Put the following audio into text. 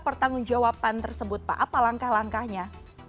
pertanggungjawaban tersebut pak apa langkah langkahnya